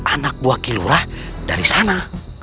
anak buah kilurah dari sana